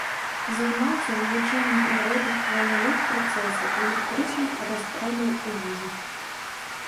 Займаўся вывучэннем прыроды хвалевых працэсаў і электрычных разрадаў у газах.